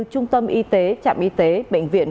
trung tâm y tế trạm y tế bệnh viện